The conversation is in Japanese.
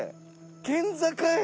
県境。